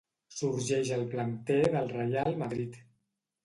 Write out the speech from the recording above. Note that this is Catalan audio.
Sorgeix al planter del Reial Madrid.